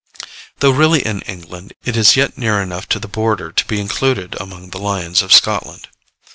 Though really in England, it is yet near enough to the border to be included among the Lions of Scotland.